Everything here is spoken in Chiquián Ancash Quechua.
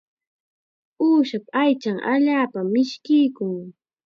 Uushapa aychanqa allaapam mishkiykun.